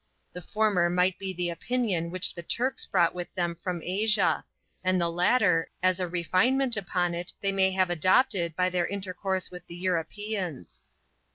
The former might be the opinion which the Turks brought with them from Asia; and the latter, as a refinement upon it they may have adopted by their intercourse with the Europeans.